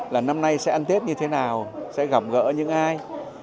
là năm nay sẽ ăn tết như thế nào sẽ gặp gỡ những ai